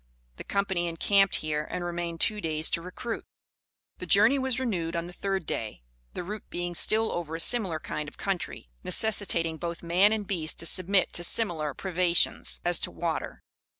The company encamped here, and remained two days to recruit. The journey was renewed on the third day, the route being still over a similar kind of country, necessitating both man and beast to submit to similar privations as to water.